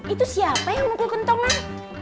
itu siapa yang mukul kantongan